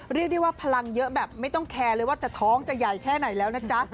เรียกได้ว่าพลังเยอะแบบไม่ต้องแคร์เลยว่าจะท้องจะใหญ่แค่ไหนแล้วนะจ๊ะ